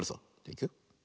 いくよ。